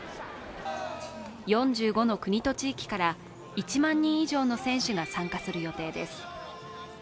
４５の国と地域から１万人以上の選手が参加する予定です。